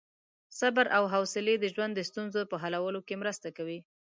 صبر او حوصلې د ژوند د ستونزو په حلولو کې مرسته کوي.